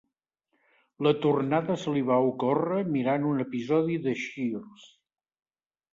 La tornada se li va ocórrer mirant un episodi de "Cheers".